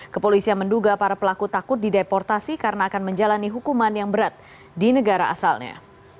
kepolisian menduga para pelaku takut dideportasi karena akan menjalani hukuman yang berat di negara asalnya